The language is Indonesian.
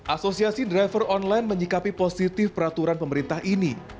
asosiasi driver online menyikapi positif peraturan pemerintah ini